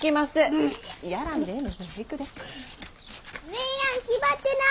姉やん気張ってな！